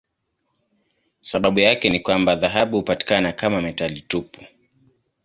Sababu yake ni kwamba dhahabu hupatikana kama metali tupu.